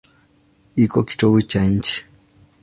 Iko kitovu cha nchi.